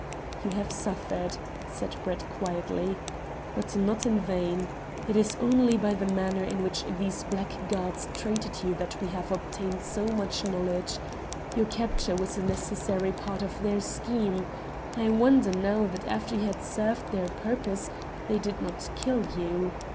"You have suffered," said Brett quietly, "but not in vain. It is only by the manner in which these blackguards treated you that we have obtained so much knowledge. Your capture was a necessary part of their scheme. I wonder now that after you had served their purpose they did not kill you.